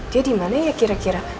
dia di mana ya kira kira